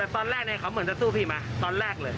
ตอนแรกเขาเหมือนจะสู้พี่มาตอนแรกเลย